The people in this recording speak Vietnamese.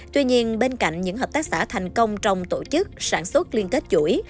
tuy nhiên bên cạnh những hợp tác xã thành công trong tổ chức sản xuất liên kết chuỗi